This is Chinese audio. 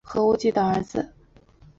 何无忌的儿子。